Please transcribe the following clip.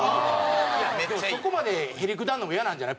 でもそこまでへりくだるのも嫌なんじゃない？